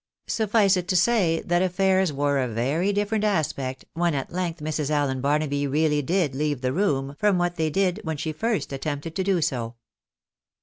Suffice it to p 2 244 THE BARKABY8 IN AMEEICA. say, that affairs wore a very different aspect, when at length Mrs. Allen Barnaby really did leave the room, from what they did when she first attempted to do so.